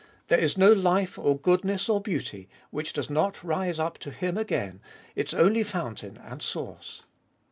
There is no life or goodness or beauty, which does not rise up to Him again, its only fountain and source.